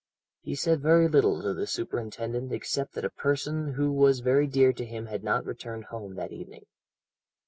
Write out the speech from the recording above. He said very little to the superintendent except that a person who was very dear to him had not returned home that evening.